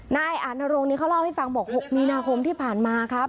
นายอานรงค์นี้เขาเล่าให้ฟังบอก๖มีนาคมที่ผ่านมาครับ